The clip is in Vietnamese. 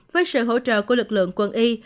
với sự hỗ trợ của lực lượng quân y